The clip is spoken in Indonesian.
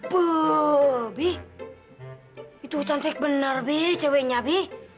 buuh bi itu cantik bener bi ceweknya bi